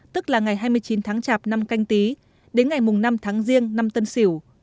tức là ngày hai mươi chín tháng chạp năm canh tí đến ngày năm tháng riêng năm tân sửu